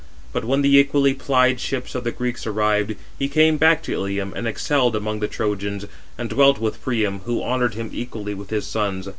But when the equally plied ships of the Greeks arrived, he came back to Ilium, and excelled among the Trojans; and dwelt with Priam, who honoured him equally with his sons.